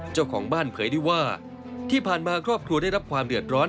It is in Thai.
เจ้าของบ้านเผยได้ว่าที่ผ่านมาครอบครัวได้รับความเดือดร้อน